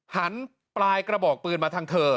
หันปลายกระบอกปืนมาทางเธอ